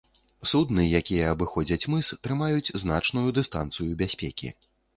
Судны, якія абыходзяць мыс, трымаюць значную дыстанцыю бяспекі.